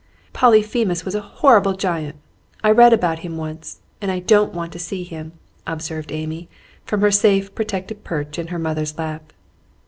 "Polyphemus was a horrible giant. I read about him once, and I don't want to see him," observed Amy, from her safe protected perch in her mother's lap.